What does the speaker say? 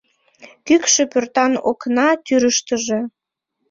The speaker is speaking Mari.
Кӱкшӧ пӧртан окна тӱрыштыжӧ